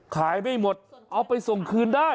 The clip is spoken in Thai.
ไม่หมดเอาไปส่งคืนได้